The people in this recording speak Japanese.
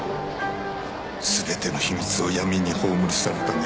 全ての秘密を闇に葬り去るため。